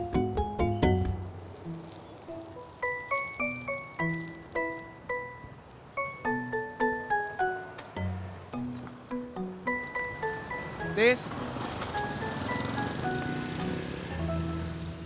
siapa ga jadi suhu ya